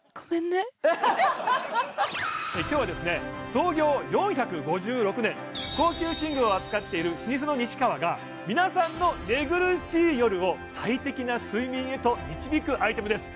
創業４５６年高級寝具を扱っている老舗の西川が皆さんの寝苦しい夜を快適な睡眠へと導くアイテムです